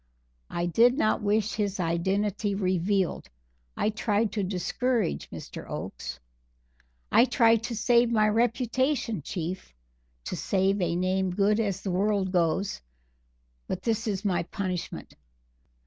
I did not wish his identity revealed; I tried to discourage Mr. Oakes. I tried to save my reputation, Chief to save a name good as the world goes; but this is my punishment.